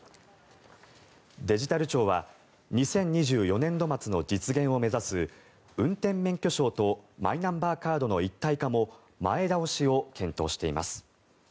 デジタル庁は２０２４年度末の実現を目指す運転免許証とマイナンバーカードの一体化も前倒しを検討しています。